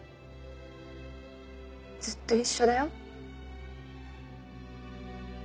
ずっと一緒だよ。